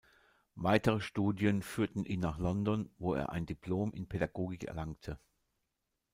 Weitere Studien führten ihn nach London, wo er ein Diplom in Pädagogik erlangte.